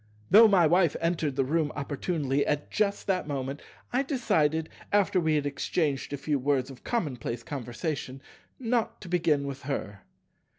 Though my Wife entered the room opportunely at just that moment, I decided, after we had exchanged a few words of commonplace conversation, not to begin with her.